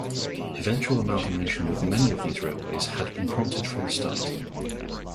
Eventual amalgamation with many of these railways had been prompted from the start.